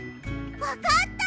わかった！